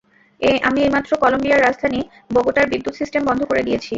আমি এইমাত্র কলম্বিয়ার রাজধানী বোগোটার বিদ্যুৎ সিস্টেম বন্ধ করে দিয়েছি।